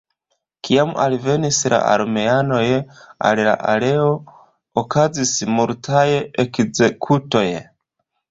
Kiam alvenis la armeanoj al la areo okazis multaj ekzekutoj.